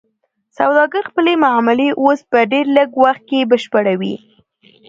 سوداګر خپلې معاملې اوس په ډیر لږ وخت کې بشپړوي.